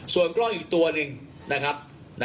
ส่วนกล้องอีกตัวหนึ่งนะครับ